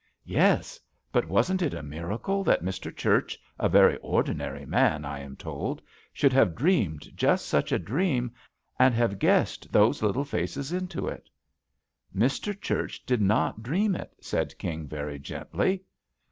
"Yes, but wasn't it a miracle that Mr. Church, a very ordinary man, I am told, should have dreamed just such a dream, and have guessed those little faces into it?" "Mr. Church did not dream it," said King very gently.